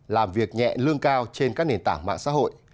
làm việc nhẹ lương cao trên các nền tảng mạng xã hội